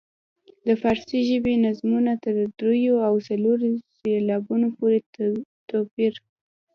د فارسي ژبې نظمونو تر دریو او څلورو سېلابونو پورې توپیر.